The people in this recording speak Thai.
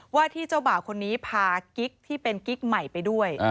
ว่าที่เจ้าบ่าวคนนี้พากิ๊กที่เป็นกิ๊กใหม่ไปด้วย